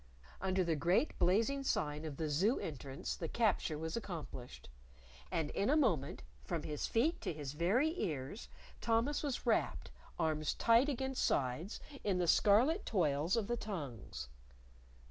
Under the great blazing sign of the Zoo entrance the capture was accomplished. And in a moment, from his feet to his very ears, Thomas was wrapped, arms tight against sides, in the scarlet toils of the tongues.